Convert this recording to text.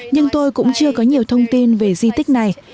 nhưng tôi cũng chưa có nhiều thông tin về di tích này